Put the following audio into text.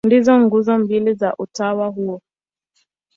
Ndizo nguzo mbili za utawa huo.